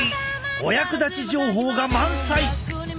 お役立ち情報が満載！